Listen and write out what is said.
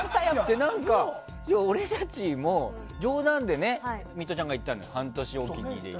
俺たちも冗談でミトちゃんが言ったの半年置きにって。